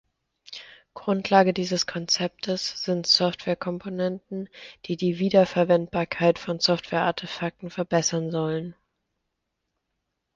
Grundlage dieses Konzeptes sind Software-Komponenten, die die Wiederverwendbarkeit von Software-Artefakten verbessern sollen.